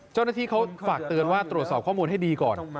เจ้าหน้าที่เขาฝากเตือนว่าตรวจสอบข้อมูลให้ดีก่อน